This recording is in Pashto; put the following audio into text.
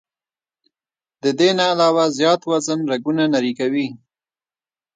د دې نه علاوه زيات وزن رګونه نري کوي